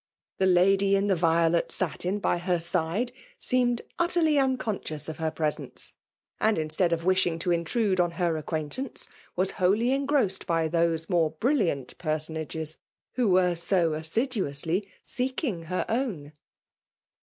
The lady in the violet ^satin by her side, seemed utterly unconscious of her ♦ presence , and instead of wishing to intrude on her acquaintance, was wholly engrossed bjr those mdre brflliattt pensonages Vho were so asstduc^usly seeldng ber own.